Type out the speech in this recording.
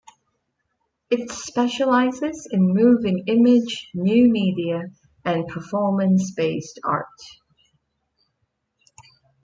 It specialises in moving image, new media and performance based art.